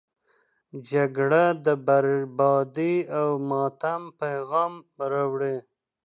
جګړه د بربادي او ماتم پیغام راوړي.